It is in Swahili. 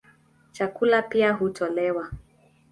Chakula pia hutolewa.